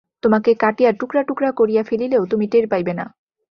তোমাকে কাটিয়া টুকরা টুকরা করিয়া ফেলিলেও তুমি টের পাইবে না।